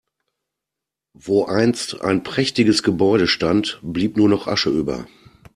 Wo einst ein prächtiges Gebäude stand, blieb nur noch Asche über.